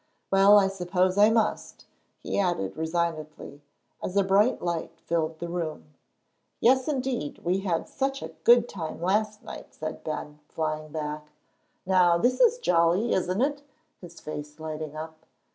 Well, I suppose I must," he added resignedly, as a bright light filled the room. "Yes, indeed, we had such a good time last night," said Ben, flying back. "Now this is jolly, isn't it?" his face lighting up.